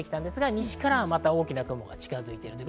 西から大きな雲が近づいています。